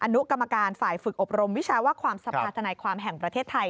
อนุกรรมการฝ่ายฝึกอบรมวิชาว่าความสภาธนายความแห่งประเทศไทย